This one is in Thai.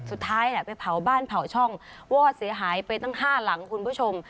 สุดท้ายไปเผาบ้านเผาช่องวอดเสียหายไปตั้ง๕หลังคุณผู้ชม